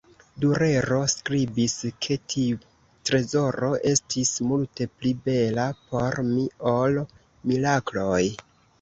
Durero skribis, ke tiu trezoro "estis multe pli bela por mi ol mirakloj.